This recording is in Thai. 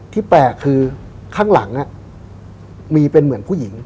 แปลกคือข้างหลังมีเป็นเหมือนผู้หญิง